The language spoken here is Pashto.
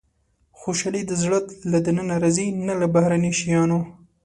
• خوشالي د زړه له دننه راځي، نه له بهرني شیانو.